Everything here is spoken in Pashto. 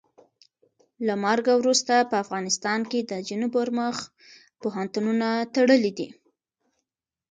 له مرګه وروسته په افغانستان کې د نجونو پر مخ پوهنتونونه تړلي دي.